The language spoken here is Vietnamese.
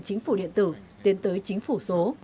chính phủ điện tử tiến tới chính phủ số